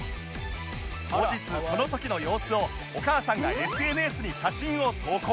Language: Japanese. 後日その時の様子をお母さんが ＳＮＳ に写真を投稿